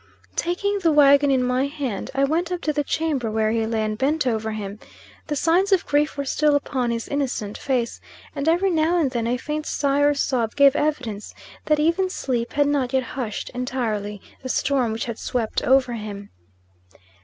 Taking the wagon in my hand, I went up to the chamber where he lay, and bent over him. The signs of grief were still upon his innocent face, and every now and then a faint sigh or sob gave evidence that even sleep had not yet hushed entirely, the storm which had swept over him.